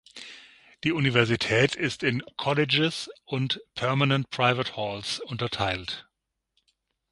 Die Universität ist in "Colleges" und "Permanent Private Halls" unterteilt.